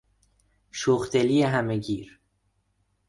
شوخ دلی همه گیر